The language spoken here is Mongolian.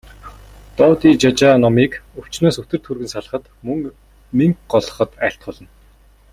Додижажаа номыг өвчнөөс үтэр түргэн салахад, мөн мэнгэ голлоход айлтгуулна.